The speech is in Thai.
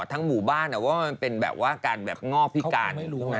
ทั้งหมู่บ้านว่ามันเป็นแบบว่าการแบบงอกพิการ